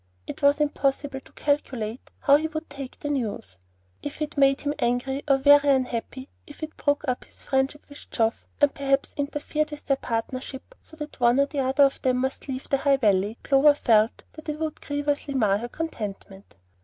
It was impossible to calculate how he would take the news. If it made him angry or very unhappy, if it broke up his friendship with Geoff, and perhaps interfered with their partnership so that one or other of them must leave the High Valley, Clover felt that it would grievously mar her contentment.